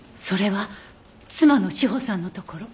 それは妻の詩帆さんの所。